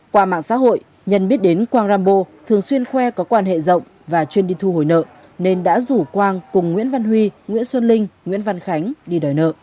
qua mạng xã hội nhân biết đến quang rambo thường xuyên khoe có quan hệ rộng và chuyên đi thu hồi nợ nên đã rủ quang cùng nguyễn văn huy nguyễn xuân linh nguyễn văn khánh đi đòi nợ